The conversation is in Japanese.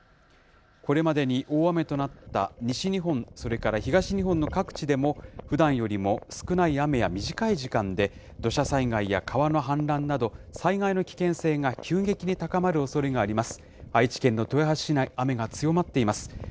これまでに大雨となった西日本、それから東日本の各地でも、ふだんよりも少ない雨や短い時間で、土砂災害や川の氾濫など、災害の危険性が急激に高まるおそれがあります。